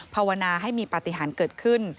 ภาวนาให้มีปฏิหารเกิดขึ้น